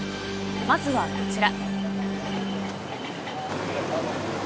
まずはこちら。